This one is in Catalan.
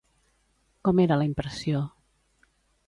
Com era la impressió?